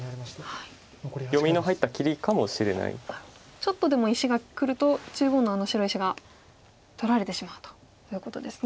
ちょっとでも石がくると中央のあの白石が取られてしまうということですね。